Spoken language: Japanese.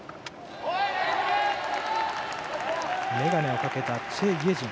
眼鏡をかけたチェ・イェジン。